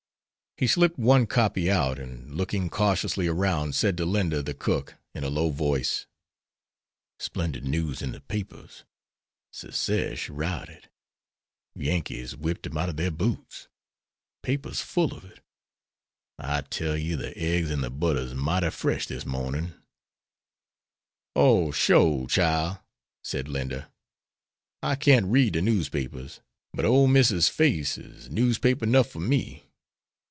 He slipped one copy out and, looking cautiously around, said to Linda, the cook, in a low voice: "Splendid news in the papers. Secesh routed. Yankees whipped 'em out of their boots. Papers full of it. I tell you the eggs and the butter's mighty fresh this morning." "Oh, sho, chile," said Linda, "I can't read de newspapers, but ole Missus' face is newspaper nuff for me.